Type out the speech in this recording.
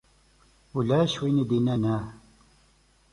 Ulac win d-yennan aḥ!